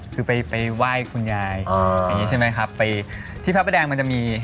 คือไปไปไหว้คุณยายอย่างนี้ใช่ไหมครับไปที่พระประแดงมันจะมี